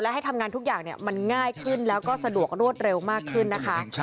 ให้ทำงานทุกอย่างมันง่ายขึ้นแล้วก็สะดวกรวดเร็วมากขึ้นนะคะ